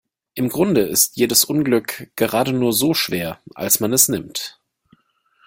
Im Grunde ist jedes Unglück gerade nur so schwer, als man es nimmt.